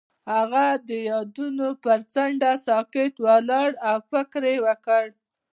هغه د یادونه پر څنډه ساکت ولاړ او فکر وکړ.